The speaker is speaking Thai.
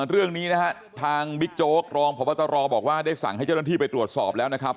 เรื่องนี้นะฮะทางบิ๊กโจ๊กรองพบตรบอกว่าได้สั่งให้เจ้าหน้าที่ไปตรวจสอบแล้วนะครับ